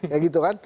ya gitu kan